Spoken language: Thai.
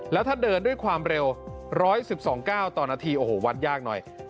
แล้วถ้าเดินด้วยความเร็ว๑๑๒๙ต่อนาทีโอ้โหวัดยากหน่อย